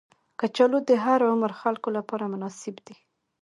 کچالو د هر عمر خلکو لپاره مناسب دي